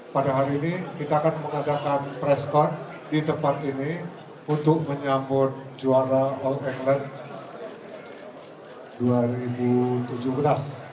pada hari ini kita akan mengadakan press con di tempat ini untuk menyambut juara all england dua ribu tujuh belas